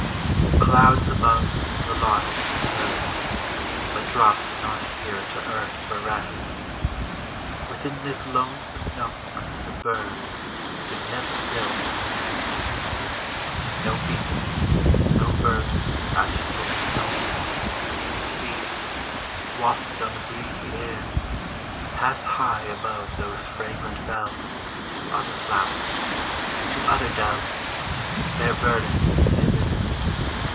In clouds above the lark is heard, But drops not here to earth for rest; Within this lonesome nook the bird Did never build her nest. 15 No beast, no bird hath here his home; Bees, wafted on the breezy air, Pass high above those fragrant bells To other flowers; to other dells Their burdens do they bear.